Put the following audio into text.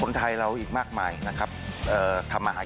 คุณอโนไทจูจังขอแสดงความจริงกับผู้ที่ได้รับรางวัลครับ